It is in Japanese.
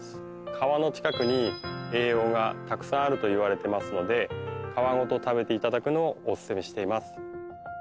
皮の近くに栄養がたくさんあるといわれてますので皮ごと食べていただくのをおすすめしています